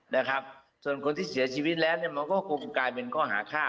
นะครับส่วนคนที่เสียชีวิตแล้วเนี่ยมันก็คงกลายเป็นข้อหาฆ่า